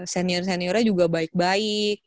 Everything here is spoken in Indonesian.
senior seniornya juga baik baik